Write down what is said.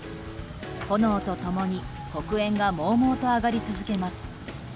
炎と共に黒煙がもうもうと上がり続けます。